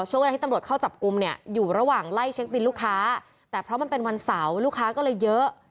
ช่วงเวลาที่ตำรวจเข้าจับกลุ่มเนี่ยอยู่ระหว่างไล่เช็คบินลูกค้าแต่เพราะมันเป็นวันเสาร์ลูกค้าก็เลยเยอะ